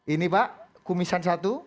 ini pak kumisan satu